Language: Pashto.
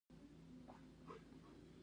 ایا زه باید دروغ ووایم؟